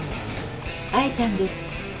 会えたんです。